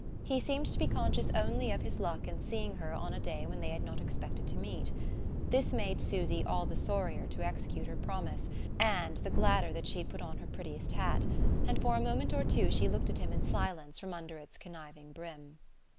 He seemed to be conscious only of his luck in seeing her on a day when they had not expected to meet. This made Susy all the sorrier to execute her promise, and the gladder that she had put on her prettiest hat; and for a moment or two she looked at him in silence from under its conniving brim.